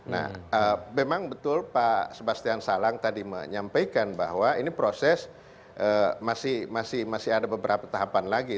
nah memang betul pak sebastian salang tadi menyampaikan bahwa ini proses masih ada beberapa tahapan lagi